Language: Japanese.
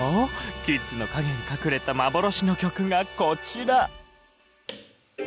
『キッズ』の陰に隠れた幻の曲がこちら。